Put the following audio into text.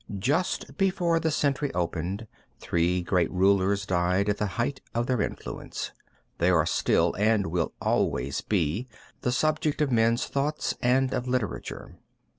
Just before the century opened, three great rulers died at the height of their influence. They are still and will always be the subject of men's thoughts and of literature.